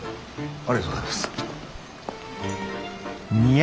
ありがとうございます。